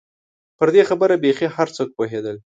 پر دې خبره بېخي هر څوک پوهېدل.